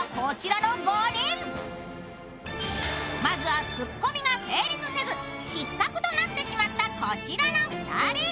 まずはツッコミが成立せず失格となってしまったこちらの２人。